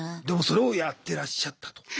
でもそれをやってらっしゃったと。